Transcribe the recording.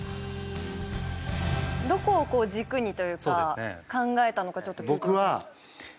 どこをこう軸にというか考えたのかちょっと聞いても？